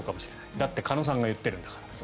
だって鹿野さんが言ってるんだから。